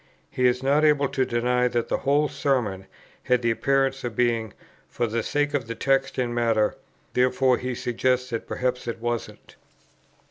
He is not able to deny that the "whole Sermon" had the appearance of being "for the sake of the text and matter;" therefore he suggests that perhaps it wasn't.